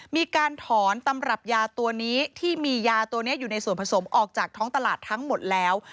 มีการถอนตำรับยาตัวนี้ที่มียาตัวนี้อยู่ในส่วนผสมออกจากท้องตลาดทั้งหมดแล้ว